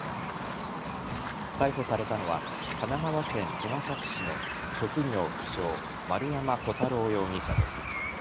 逮捕されたのは神奈川県茅ヶ崎市の職業不詳、丸山虎太郎容疑者です。